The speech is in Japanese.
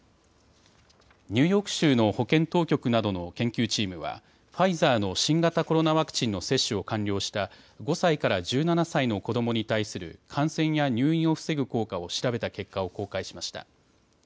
ニューヨーク州の保健当局などの研究チームはファイザーの新型コロナワクチンの接種を完了した５歳から１７歳の子どもに対する感染や入院を防ぐ効果を調べた結果を公開しました。